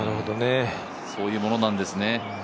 そういうものなんですね。